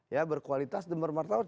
ya berkualitas dan bermanfaat